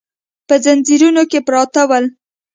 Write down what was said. په ځنځیرونو کې پراته ول.